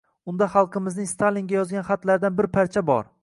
Unda xalqimizning Stalinga yozgan xatlaridan bir parcha bor.